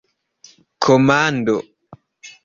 komando